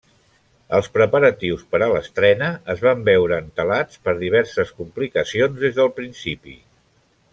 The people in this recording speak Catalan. Els preparatius per a l'estrena es van veure entelats per diverses complicacions des del principi.